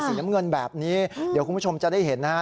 น้ำเงินแบบนี้เดี๋ยวคุณผู้ชมจะได้เห็นนะฮะ